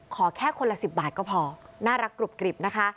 ขอแค่คนละ๑๐บาทก็พอน่ารักกรุบกริบนะคะ